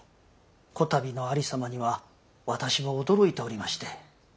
こたびのありさまには私も驚いておりまして。